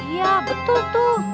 iya betul tuh